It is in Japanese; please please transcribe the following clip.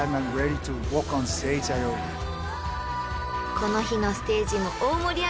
［この日のステージも大盛り上がり］